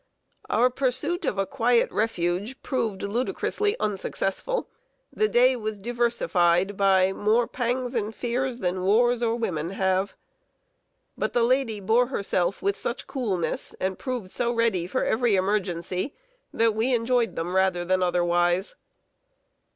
Our pursuit of a quiet refuge proved ludicrously unsuccessful. The day was diversified by "More pangs and fears than wars or women have." But the lady bore herself with such coolness, and proved so ready for every emergency, that we enjoyed them rather than otherwise.